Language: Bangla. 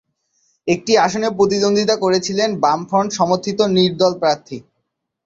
একটি আসনে প্রতিদ্বন্দ্বিতা করেছিলেন বামফ্রন্ট-সমর্থিত নির্দল প্রার্থী।